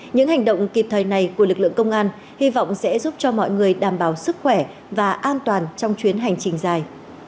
những hành động kịp thời này của lực lượng công an hy vọng sẽ giúp cho mọi người đảm bảo sức khỏe và an toàn trong chuyến hành trình dài